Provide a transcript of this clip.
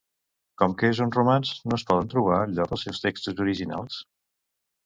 Com que és un romanç, no es poden trobar enlloc els seus textos originals?